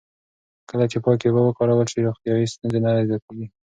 کله چې پاکې اوبه وکارول شي، روغتیایي ستونزې نه زیاتېږي.